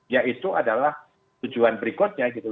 ya itu adalah tujuan berikutnya gitu